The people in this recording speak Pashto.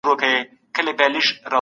ستاسو په شاوخوا کي به امن وي.